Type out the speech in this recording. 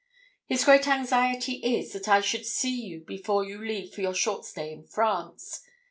His great anxiety is that I should see you before you leave for your short stay in France.